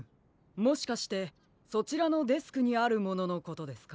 もしかしてそちらのデスクにあるもののことですか？